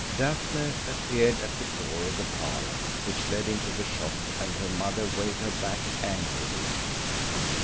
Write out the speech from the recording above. Daphne appeared at the door of the parlour which led into the shop and her mother waved her back angrily.